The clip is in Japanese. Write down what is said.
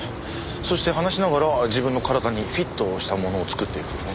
そして話しながら自分の体にフィットしたものを作っていく。